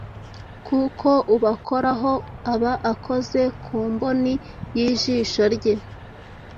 Kuko ubakoraho, aba akoze ku mboni y’ijisho rye.